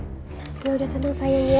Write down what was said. udah udah cendeng sayang ya